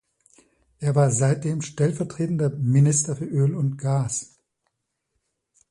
Er war seitdem stellvertretender Minister für Öl und Gas.